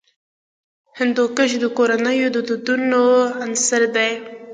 هندوکش د کورنیو د دودونو عنصر دی.